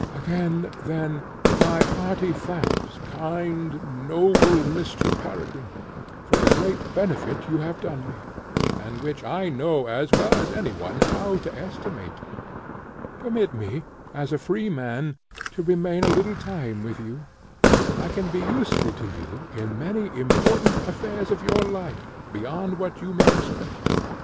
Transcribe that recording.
Again, then, my hearty thanks, kind, noble Mr. Peregrine, for the great benefit you have done me, and which I know as well as any one how to estimate. Permit me, as a free man, to remain a little time with you; I can be useful to you in many important affairs of your life beyond what you may expect.